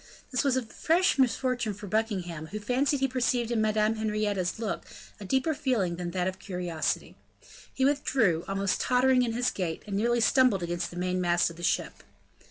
This was a fresh misfortune for Buckingham, who fancied he perceived in Madame Henrietta's look a deeper feeling than that of curiosity. He withdrew, almost tottering in his gait, and nearly stumbled against the mainmast of the ship.